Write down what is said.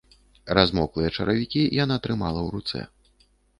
Размоклыя чаравікі яна трымала ў руцэ.